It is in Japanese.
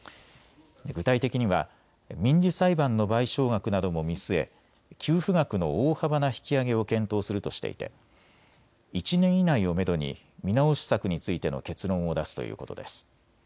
具体的には民事裁判の賠償額なども見据え給付額の大幅な引き上げを検討するとしていて１年以内をめどに見直し策についての結論を出すということです。